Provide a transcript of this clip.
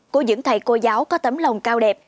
của những thầy cô giáo có tấm lòng cao đẹp